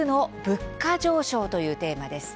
物価上昇」というテーマです。